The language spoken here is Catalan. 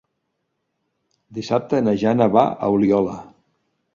Dissabte na Jana va a Oliola.